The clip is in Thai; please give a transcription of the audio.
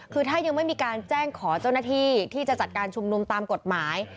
คือถ้ายังไม่มีการแจ้งขอเจ้าหน้าที่ที่จะจัดการชุมนุมตามกฎหมาย